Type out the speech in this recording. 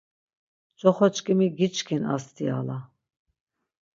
Coxoçkimi giçkin astiala.